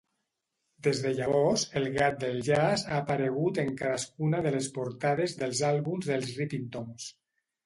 Des de llavors, el gat del jazz ha aparegut en cadascuna de les portades dels àlbums dels Rippingtons.